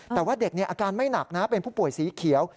แต่ว่าเด็กอาการไม่หนักนะเป็นผู้ป่วยสีเขียว